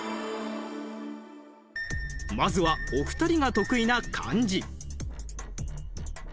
まずはお二人が得意な漢字。